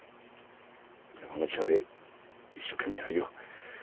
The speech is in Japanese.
山口屋で一生懸命やるよ。